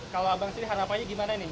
kalau abang sendiri harapannya gimana nih